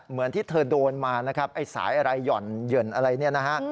เหมือนที่เธอโดนมานะครับไอ้สายอะไรหย่อนเหยื่อนอะไรเนี่ยนะฮะ